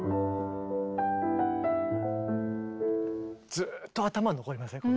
ずっと頭に残りません？